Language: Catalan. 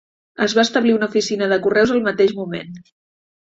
Es va establir una oficina de correus al mateix moment.